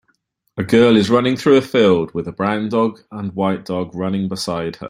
A girl is running through a field with a brown dog and white dog running beside her.